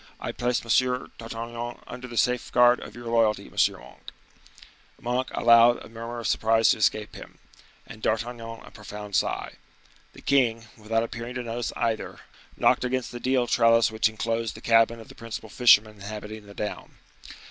I place M. d'Artagnan under the safeguard of your loyalty, M. Monk." Monk allowed a murmur of surprise to escape him, and D'Artagnan a profound sigh. The king, without appearing to notice either, knocked against the deal trellis which inclosed the cabin of the principal fisherman inhabiting the down.